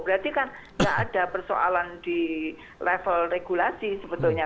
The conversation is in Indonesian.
berarti kan nggak ada persoalan di level regulasi sebetulnya